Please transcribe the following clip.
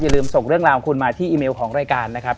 ลืมส่งเรื่องราวของคุณมาที่อีเมลของรายการนะครับ